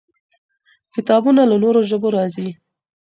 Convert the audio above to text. کتابونه له نورو ژبو راځي.